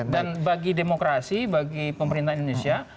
dan bagi demokrasi bagi pemerintahan indonesia